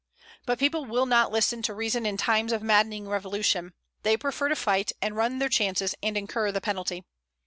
But people will not listen to reason in times of maddening revolution; they prefer to fight, and run their chances and incur the penalty.